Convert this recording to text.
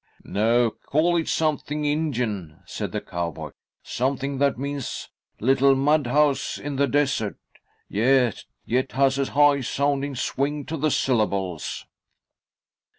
"No, call it something Indian," said the cowboy. "Something that means little mud house in the desert, yet has a high sounding swing to the syllables."